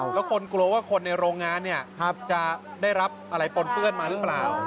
แล้วคนกลัวว่าคนในโรงงานเนี่ยจะได้รับอะไรปนเปื้อนมาหรือเปล่า